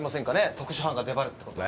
特殊班が出張るって事は。